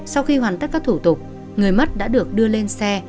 sau khi hoàn tất các thủ tục người mất đã được đưa lên xe